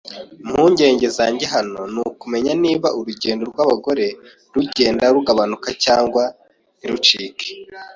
Impungenge zanjye hano ni ukumenya niba urugendo rwabagore rugenda rugabanuka cyangwa ntirucike.